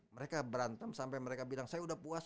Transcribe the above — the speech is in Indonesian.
mereka berantem sampai mereka bilang saya udah puas